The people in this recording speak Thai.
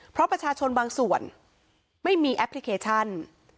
เพราะประชาชนบางส่วนไม่มีแอปพลิเคชัน